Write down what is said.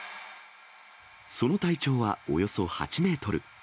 その体長はおよそ８メートル。